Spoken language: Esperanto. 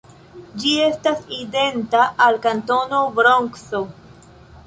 Ĝi estas identa al Kantono Bronkso.